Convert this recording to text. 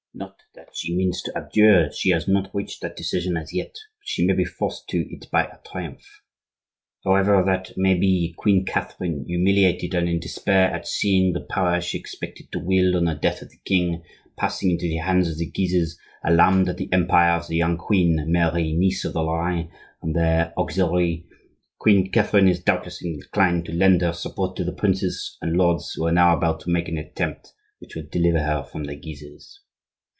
Not that she means to abjure; she has not reached that decision as yet; but she may be forced to it by our triumph. However that may be, Queen Catherine, humiliated and in despair at seeing the power she expected to wield on the death of the king passing into the hands of the Guises, alarmed at the empire of the young queen, Mary, niece of the Lorrains and their auxiliary, Queen Catherine is doubtless inclined to lend her support to the princes and lords who are now about to make an attempt which will deliver her from the Guises.